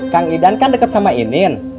kang idan kan dekat sama in